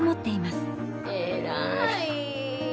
えらい！